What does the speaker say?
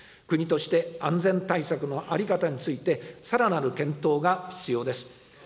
国として、安全対策の在り方について、さらなる検討が必要です。